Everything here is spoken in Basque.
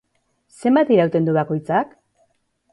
Zenbat irauten du bakoitzak?